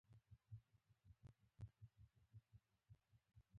ترینو یا وڼېڅي لهجه د پښتو یو زړه لهجه ده